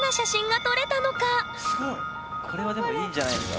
これはでもいいんじゃないですか？